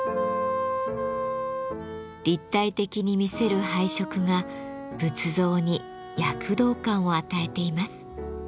立体的に見せる配色が仏像に躍動感を与えています。